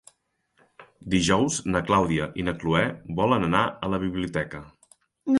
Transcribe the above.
Dijous na Clàudia i na Cloè volen anar a la biblioteca.